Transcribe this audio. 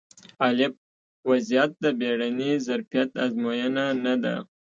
ا وضعیت د بیړني ظرفیت ازموینه نه ده